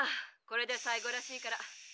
これで最後らしいから。